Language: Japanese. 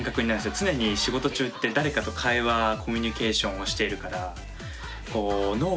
常に仕事中って誰かと会話コミュニケーションをしているからうんうん。